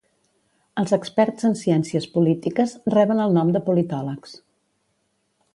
Els experts en ciències polítiques reben el nom de politòlegs.